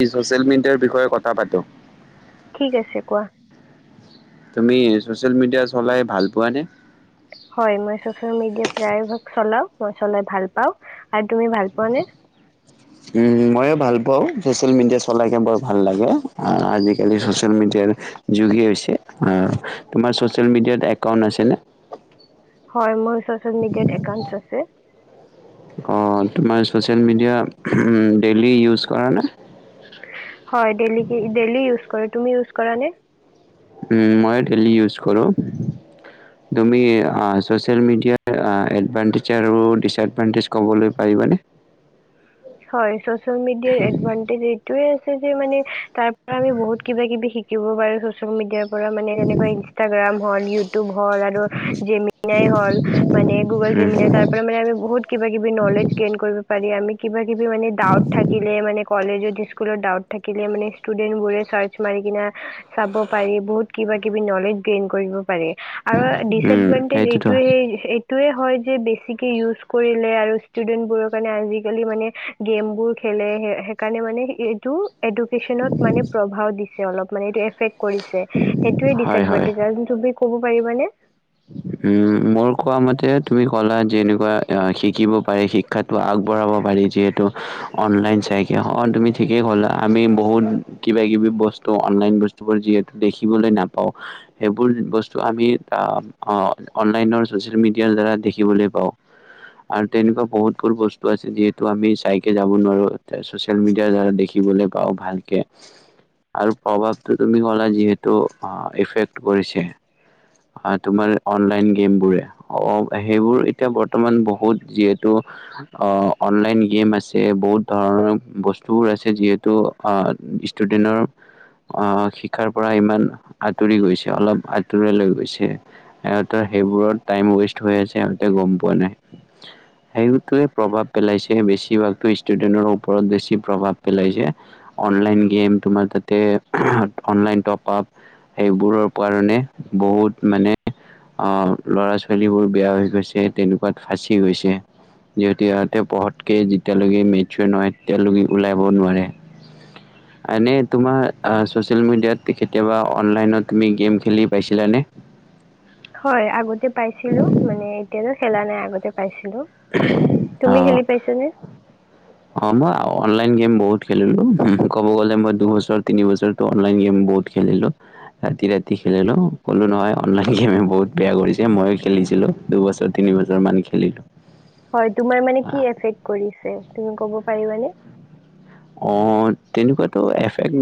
Social মিডিয়াৰ বিষয়ে কথা পাতোঁ। কি আছে কোৱা। তুমি ছচিয়েলমেডিয়া চলাই ভাল পোৱাানে। হয় মই ছচিয়েলমিডিয়া প্ৰাইভাগ চলাওঁ মই চলাই ভাল পাওঁ৷ আৰু তুমি ভাল পোৱা নে? উম, মইয়ো ভাল পাওঁ ছ'চিয়েল মিডিয়া চলাইাকে বৰ ভাল লাগে, আজিকালি ছ'চিয়েল মিডিয়াৰ যুগেই হৈছে৷ তোমাৰ ছচিয়েল মিডিয়াত একাউণ্ট আছেনে? হয় মই ছচিয়েল মিডিয়াত একাউণ্টছ আছে। অ তোমাৰ ছ'চিয়েল মিডিয়া ডেইলি ইউজ কৰা নে? হয় ডেইলীকে ডেইলী ইউজ কৰো আৰু তুমি ইউজ কৰা নে? ওম মই ডেইলী ইউজ কৰোঁ ৷তুমি আ ছ'চিয়েল মিডিয়াৰ এডভানটেজ আৰু ডিচএডভানটেজ ক'বলৈ পাৰিবানে? হয় ছচি চিয়েল মিডিয়াৰ এডভানটেজ এইটোৱে যে মানে তাৰ পৰা আমি বহুত কিবা কিবি শিকিব পাৰো ছচিয়েল মিডিয়া পৰা মানে তেনেকৈ ইনষ্টাগ্ৰাম হল ইউটিউব হল আৰু জেমিনাই হল মানে গুগল উম জেমিনাই তাৰ পৰা আমি বহুত কিবা কিবি নলেজ গেইন কৰিব পাৰি। আমি কিবা সেইবোৰ মানে ডাউট থাকিলে মানে কলেজত স্কুলত ডাউট থাকিলে মানে ষ্টুডেণ্ট বোৰে ছাৰ্চ মাৰি কিনে চাব পাৰি বহুত কিবা কিবি নলেজ গেইন কৰিব পাৰি। আৰু উম ডিচএডভানটেজ সেইটোতো এইটোৱে সে এইটোৱে হয় যে বেছিকে ইউজ কৰিলে আৰু ষ্টুডেন্ট বোৰৰ কাৰণে আজি আজি কালি মানে গেম বোৰ খেলে সেইকাৰণে মানে এইটো এডুকেশচনত মানে প্ৰভাৱ দিছ সেই অলপ মানতে এফেক্ট কৰিছে সেইটোৱেই হয় হয়। ডিচএডভান্তেজ আৰু ক'ব পাৰিবানে? উম মোৰ কোৱা মতে তুমি কলা যেনেকুৱা শিকিব পাৰি শিক্ষাতো আগবঢ়াব পাৰি যিহেতু অনলাইন চাইকে অ তুমি ঠিকেই কলা আমি বহুত কিবা কিবি বস্তু অনলাইন বস্তুবোৰ যিহেতু দেখিবলৈ নাপাওঁ সেইবোৰ বস্তু আমি আহ অ অনলাইনৰ ছচিয়েল মিডিয়াৰ দ্বাৰা দেখিবলৈ পাওঁ আৰু তেনেকুৱা বহুতবোৰ বস্তু আছে যিহেতু আমি চাইকে যাব নোৱাৰোঁ ছচিয়েল মিডিয়াৰ দ্বাৰা দেখিবলৈ পাওঁ ভালকে আৰু প্ৰভাৱটো তুমি ক'লা যিহেতু এফেক্ট কৰিছে৷ আ তোমাৰ অনলাইন গেমবোৰে অ সেইবোৰ এতিয়া বৰ্তমান বহুত যিহেতু অ অনলাইন গেম আছে বহুত ধৰণৰ বস্তুবোৰ আছে যিহেতু অ ষ্টুডেণ্টৰ অ শিক্ষাৰ পৰা ইমান আঁতৰি গৈছে অলপ আঁতৰাই লৈ গৈছে৷ ত সেইবোৰত টাইম ৱেষ্ট হৈ আছে সহতে গম পোৱা নাই ৷সেইটোৱে প্ৰভাৱ পেলাইছে বেছিভাগত ষ্টুেন্টৰ ওপৰত বেছি প্ৰভাৱ পেলাইছে অনলাইন গেম তোমাৰ তাতে অনলাইন টপআপ সেইবোৰৰ কাৰণে বহুত মানে অ ল'ৰা ছোৱালীবোৰ বেয়া হৈ গৈছে তেনেকুৱাত ফাঁচি হৈছে, যিহতু ইহঁতে পঢ়তকে যেতিয়ালৈকে মেচুৱেৰ নহয় তেতিয়ালৈকে ওলাব নোৱাৰে এনে তোমাৰ চচিয়েল মিডিয়াত কেতিয়াবা অনলাইনত তুমি গেম খেলি পাইছিলানে? হয় আগতে পাইছিলো মানে এতিয়াতো খেলা নাই আগতে পাইছি অ - অ মই অন অনলাইন গেম বহুত খেলিলোঁ ক'ব গ'লে মই দুবছৰ তিনি বছৰটো অনলাইন গেম বহুত খেলিলোঁ ৰাতি- ৰাতি খেলিলোঁ ক'লোঁ নহয় অনলাইন গেমে বহুত বেয়া কৰিছে ময় খেলিছিলোঁ দুবছৰ তিনি বছৰমান খেলিলোঁ৷ হয় তোমাৰ মানে কি এফেক্ কৰিছে? তুমি ক'ব পাৰিবানে অ' তেনেকুৱা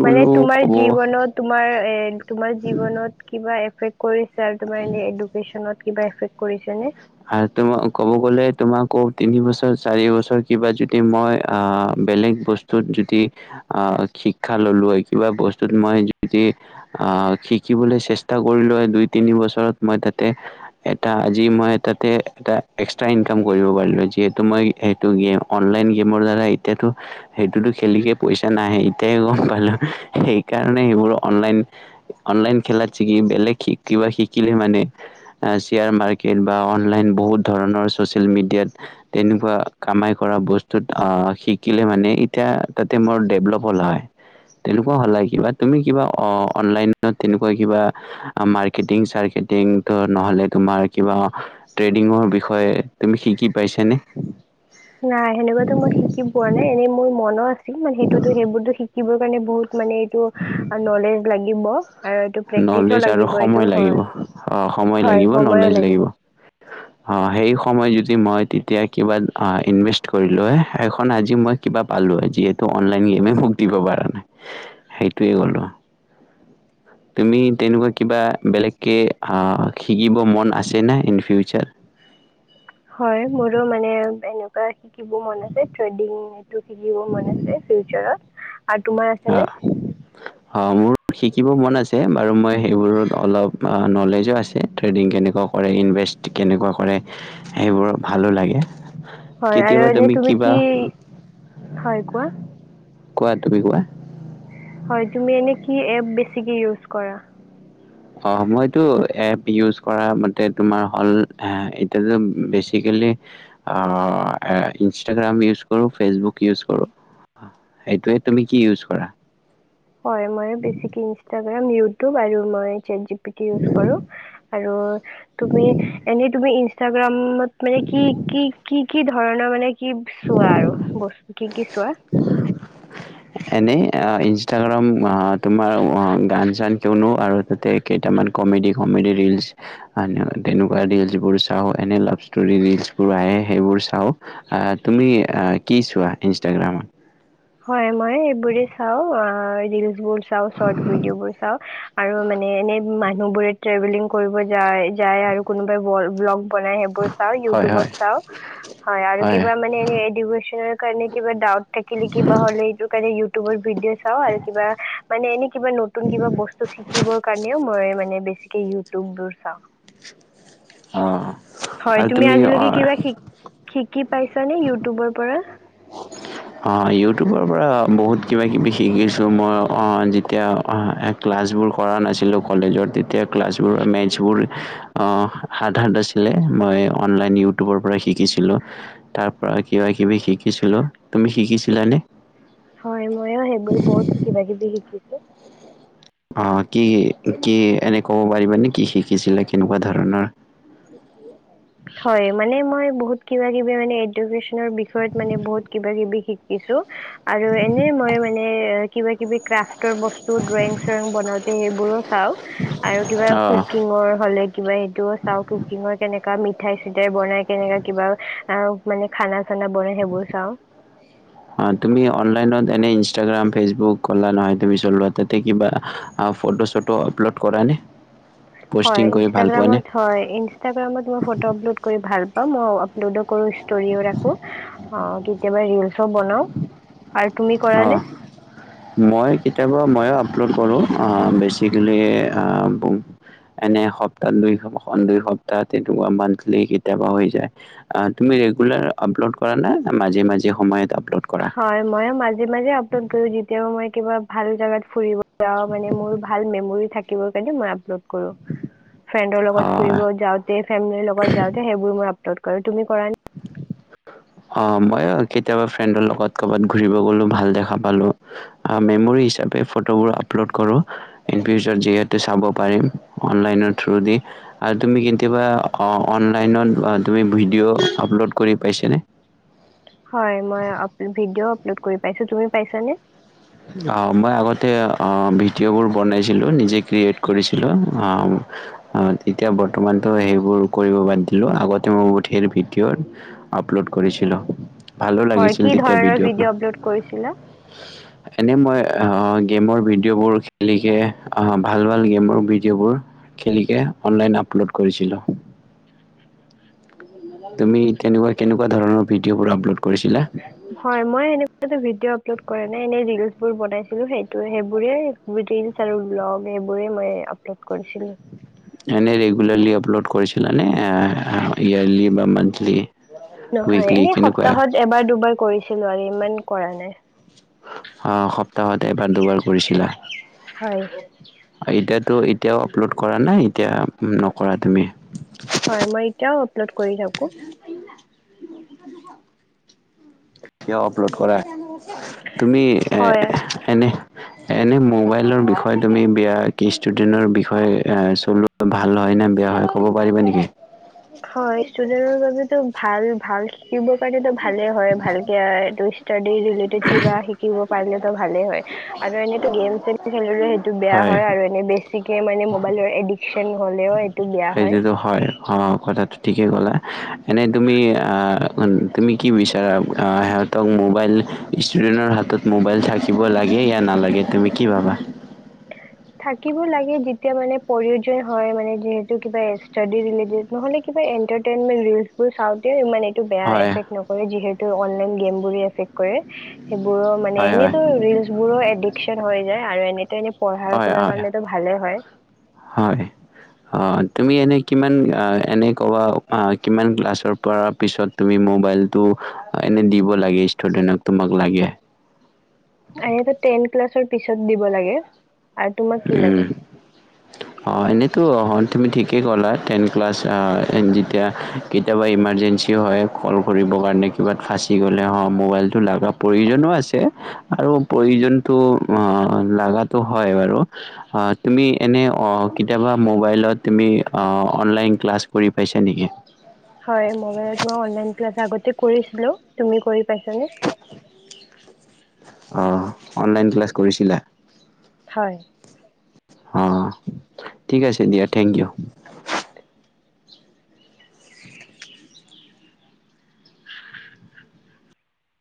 মানে তোমাৰ জীৱনত তোমাৰ এ তোমাৰ জীৱনত কিবা কৰি ছ তোমাৰ এনে এডুকেশ্যনত কিবা এফেক্ট কৰিছে নে? আৰু তোমাৰ ক'ব গ'লে তোমাকো তিনি বছৰ চাৰি বছৰ কিবা যদি মই আহ বেলেগ বস্তুত যদি আহ শিক্ষা ললো হয় কিবা বস্তুত মই যদি আহ শিকিবলৈ চেষ্টা কৰিলো হয় দুই তিনি বছৰত মই তাতে এটা আজি মই তাতে এটা এক্সট্ৰা ইনকাম কৰিব পাৰিলোঁ‌। যিহেতু মই সেইটো গেম অনলাইন গেমৰ দ্বাৰা এতিয়ো সেইটোতো খেলিকে পইচা নাহে এতিাই গম পালো সেইকাৰণে সেইবোৰলাইন অনলাইন খেলাতিকি বেলেগ কিবা শিকিলে মানে শেয়াৰ মাৰ্কেট বা অনলাইন বহুত ধৰণৰ ছচিয়েল মিডিয়াত তেনেকুৱা কামাই কৰা বস্তুত শিকিলে মানে এতিয়া তাতে বৰ ডেভলপ হ'লা হয় তেনেকুৱা হ'লা কিবা তুমি কিবা অ' অনলাইনত তেনেকুৱা কিবা মাৰকেটিং চাৰকেটিং নহ'লে তোমাৰ কিবা ট্ৰেডিঙৰ বিষয়ে তুমি শিকি পাইছ নে? নাই সেনেকুৱাতো মই শিকি পোৱা নাই এনেই মোৰ মনো আছে। মান সেইটোতো সেইবোৰতো শিক শিকিব কাৰণে বহুত মানে এইটো নলেজ লাগিব আৰু এইটো প্ৰেক্টিচো নলেজ আৰু লাগিব সময় এইটো লাগিব হয় অ 'সময় হয় লাগিব সময়ো নলেজ লাগিব অ' সেই সময় যদি মই তেতিয়া কিবা ইনভেষ্ট কৰিল সখন আজি মই কিব পালো যিহেতু অনলাইন গেমে মোক দিব পৰা নাই সেইটো এ কলোঁ। তুমি তেনেকুৱা কিবা বেলেগকে অ' শিকিব মন আছে ন ইন ফিউচাৰ হয় মোৰো মানে এনেকুৱা শ কিবোৰ মন আছে ট্ৰেডিং সেইটো শিকিব মন আছে ফিউচাৰত। আৰু তোমাৰ আছেনে অ' অ' মোৰ শিকিব মন আছে আছে বাৰু মই সেইবোৰত অলপ নলেজো আছে ট্ৰেডিং কেনেকুৱা কৰে। ইনভেষ্ট কেনেকুৱা কৰে। সেইবোৰ ভালো লাগে। হয় আৰু কেতিয়াবা এনে তুমি কিবা কি হয় কোৱা কোৱা তুমি কোৱা? হয় তুমি কি এপ বেছিকে ইউজ কৰা। অ' মই টো এপ ইউজ কৰা মতে তোমাৰ অল বেছিকেলি ইনষ্টাগাম ইউজঢ কৰো ফেচবুক ইউজ কৰো। সেইটোৱে তুমি কি ইউজ কৰা। হয় মই বেছিকে ইষ্টাগ্ৰাম। আৰু তুমি চাটজেপটি ইউজ কৰোঁ‌। এনেতুমি ইষ্টাগ্ৰামো ইউজ কৰোঁ‌। উম ম মানে কি কি কি কি ধৰণৰ মানে কি চোৱা আৰু বস্তু ঠিক। কি ছোৱা এনেই ইনষ্টাগ্ৰাম তোমাৰ গান চান কিয়নো আৰু তাতে কেইটামান কমেডি কমেডি ৰিলচ তেনেকুৱা ৰিলচবোৰ চাওঁ এনে লাভ ষ্টৰী ৰিলচবোৰ আহে। সেইবোৰ চাওঁ তুমি কি চোৱা ইনষ্টাগ্ৰামত। হয় মই এইবোৰে চাও অ' ৰিলচ বোৰ চাওঁ‌ চৰ্ট ভিডিঅ' বোৰ চাওঁ‌ আৰু মানে এনে মানুহ বোৰে ট্ৰেভেলিং কৰিব যায় যায়। আৰু কোনোবাই ব্লগ বনাই সেইবোৰ চাও হয় ইউটিউবত হয় চাওঁ‌ আৰু হয় কিবা মানে একজামৰ কাৰণে ডাইট থাকিলে। কিবা হ'লে এইটোকাৰণে ইউত তোমাৰ ভিডিঅ'ত চাও আৰু কিবা, মানে এনে কিবা নতুন কিবা বস্তু শিকিবৰ কাৰণেও মই মানে বেছি। কি ইউটোববোৰ চাও। অঁ হয় আৰু তুমি আজিলৈকে অ, কিবা শিক-শিকি পাইছা নে ইউটিউবৰ পৰা? অ' ইউটিউবৰ পৰা বহুত কিবাকিবি শিকিছোঁ মই। অ' যেতিয়া ক্লাছবোৰ কৰা নাছিলোঁ কলেজৰ তেতিয়া ক্লাছবোৰৰ মেথছবোৰ আ হাড-হাড আছিলে। মই অনলাইন ইউটিউবৰ পৰা শিকিছিলোঁ, তাৰ পৰা কিবাকিবি শিকিছিলোঁ। তুমি শিকিছিলানে? হয় মইয়ো সেইবোৰ বহুত কিবাকিবি শিক কিছো অ' কি কি? কি এনে ক'ব পাৰিবা নে কি শিকিছিলা কেনেকুৱা ধৰণৰ? হয়, মানে মই বহুত কিবাকিবি মানে এডুকেশ্বনৰ বিষয়ত বহুত কিবাকিবি শিকিছোঁ। আৰু এনে মই মানে। কিবাকিবি ক্ৰাফ্ট টৰ বস্তু ড্ৰয়িং-চয়িং বনাওঁতে সেইবোৰো চাওঁ, আৰু কিবা অ' কুকিঙৰ হ'লে কিবা সেটোও চাও কুকিঙৰ কেনেকা মিঠাই-চিঠাই বনাই কিনে তেনেকা কিবা, অ' মানে খানা চানা বনাই সেইবোৰ চাওঁ অ' তুমি অনলাইনত এনে ইনষ্টাগ্ৰাম ফেচবুক ক'লা নহয় তুমি চলোৱা, তাতে কিবা ফটো-চটো আপলোড কৰা নে? হয়, ইনষ্টাগামত হয়, ইনষ্টাগামত মই ফটো আপলোড কৰি ভাল পাওঁ। লুডো কৰো, ষ্টৰিও ৰাখো। অ' কেতিয়াবা ৰিলচো বনাও। অ' মই কেতিয়াবা মইও আপলড কৰোঁ, আ বেচিকেলি আ এনে সপ্তাহ- দুইসপ্তাহ তেনেকুৱা মন্থলী কেতিয়াবা হৈ যায়। তুমি ৰেগুলাৰ আপলোড কৰা নে? নে মাজে মাজে সময়ত আপ হয়, মইও মাজে মাজে আপ [unintelligible] যেতিয়াও মই কিবা ভাল জাগাত ফুৰিব যাওঁ মানে মোৰ ভাল মেমৰি থাকে দিবৰ কাৰণে মই আপলোড কৰোঁ। ফ্ৰেণ্ডৰ লগত হয়। ফুৰিব যাওঁতে, ফেমেলি লগত যাওঁতে সেইবোৰো মই লোড কৰোঁ। তুমি কৰা নে? অ' ময়ো কেতিয়াবা ফ্ৰেণ্ডৰ লগত ক'ৰবাত ঘূৰিব গ'লো, ভাল দেখা পালোঁ, আ মেমৰি হিচাপে ফটোবোৰ আপলোড কৰোঁ। ইনফিউচাৰ যিহেতু চাব পাৰিম। অনলাইনৰ থ্ৰু দি আৰু তুমি কেতিয়াবা অনলাইনত তুমি ভিডিঅ' আপলোড কৰি পাইছানে? হয় মই আপ-ভিডিঅ' লোড কৰি পাইছো, তুমি পাইছা নে? আ মই আগতে ভিডিঅ'বোৰ বনাইছিলোঁ, নিজে ক্ৰিয়েট কৰিছিলোঁ। আ তেতিয়া বৰ্তমানতো সেইবোৰ কৰিব বাদ দিলোঁ। আগতে মই বহু ধেৰ ভিডিঅ' আপলোড কৰিছিলোঁ। ভালো হয় লাগিছিল কি তেতিয়া ধৰণৰ ভিডিঅ' আপলোড কৰিছিলা? এনে মই গেমৰ ভিডিঅ'বোৰ খেলিকে, ভাল-ভাল গেমৰ ভিডিঅ'বোৰ খেলিকে অনলাইন আপলোড কৰিছিলোঁ। তুমি কেনেকুৱা-কেনেকুৱা ধৰণৰ ভিডিঅ'বোৰ আপলোড কৰিছিলা? হয় মই এনেকুৱা এটা ভিডিঅ' লোত কৰা নাই এনে ৰীলচবোৰ বনাইছিলো, সেইটো-সেইবোৰে ৰীলচ আৰু ব্লগ মই আপলোড কৰিছিলোঁ। এনেই ৰেগুলাৰলি আপলোড কৰিছিলানে? ইয়েৰলি বা মন্থলি? নহয়। এনেই সপ্তাহত এবাৰ-দুবাৰ কৰিছোঁ ছিলো আৰু ইমান কৰা নাই। অ' সপ্তাহত এবাৰ-দুবাৰ কৰিছিলা? হয় এতিয়াতো এতিয়াও আপলোড কৰা নাই এতিয়া, নকৰা তুমি? হয় মই এতিয়াও পলোড কৰি থাকো। কিয় আপলোড কৰা? তুমি হয় এ-এনে এনে মোবাইলৰ বিষয়ে তুমি বেয়া কি ষ্টুডেণ্টৰ বিষয়ে চলোৱা ভাল হয় নে বেয়া হয় ক'ব পাৰিবা নেকি? হয় ষ্টুডেন্টৰ বাবেতো ভাল ভাল শিকিবৰ কাৰণটো ভালে হয়, ভালকে এইটো ষ্টাডি ৰিলেটেড কিবা শিকিব পাৰিলেতো ভালে হয়। আৰু এনেতো গেম-চেম খেলিবলৈ টো বেয়া হয় আৰু এনে বেছি ঠিকে মানে মোবাইলৰ এডিকশ্বন হ'লেও সেইটোতো হয়, অ' কথাটো ঠিকে ক'লা এনেই তুমি আ তুমি কি বিচাৰা? আ সিহঁতক মোবাইল, ষ্টুডেণ্টৰ হাতত মোবাইল থাকিব লাগে য়া নালাগে তুমি কি ভাবা? থাকিব লাগে যেতিয়া মানে প্ৰয়োজন হয় মানে, যিহেতু কিবা ষ্টাডী-ৰিলেটেত নহ'লে কিবা এন্টাৰটেইনমেন্ট ৰীলচবোৰ চাওঁতে বেয়া হয় এফেক্ট নকৰে যিহেতু অনলাইন গেমবোৰে এফেক্ট কৰে। সেইবোৰৰ মানে, হয় হয় এনেইটো ৰীলচবোৰো সেইবোৰো এডিকচন হৈ আৰু এনিটাইম পঢ়াৰ [unintelligible] হয়, তুমি এনেই কিমান এনেই ক'বা, কিমান ক্লাছৰ পৰা পিছত তুমি মোবাইলটো এনেই দিব লাগে ষ্টুডেণ্টক তোমাক লাগে! এনেইতো টেন ক্লাছৰ পিছত দিব লাগে। আৰু তোমাক কি উম, লাগে? অ' এনেইতো তুমি ঠিকেই ক'লা, টেন ক্লাছ আ যেতিয়া কেতিয়াবা ইমাৰজেঞ্চি হয় কল কৰিবৰ কাৰণে, কিবাত ফাচি গ'লে অ' মোবাইলটো লাগা প্ৰয়োজনো আছে। আৰু প্ৰয়োজনটো লগাটো হয় বাৰু। আ তুমি এনে অ' কেতিয়াবা মোবাইলত তুমি অনলাইন ক্লাছ কৰি পাইছা নেকি? হয় মবাইলত মই অনলাইন ক্লাছ আগতে কৰিছিলো। তুমি কৰি পাইছা? চানে? অ' অনলাইন ক্লাছ কৰিছিলা? হয়। অ' ঠিক আছে দিয়া। Thank U.